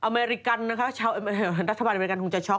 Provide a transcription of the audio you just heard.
อเมริกันนะคะรัฐบาลอเมริกันทุนไชยช็อค